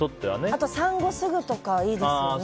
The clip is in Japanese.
あと産後すぐとかいいですよね。